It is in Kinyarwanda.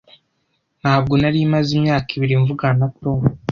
Ntabwo nari maze imyaka ibiri mvugana na Tom.